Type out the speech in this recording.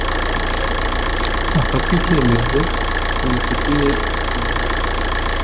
hafatwe icyemezo kimufitiye inyungu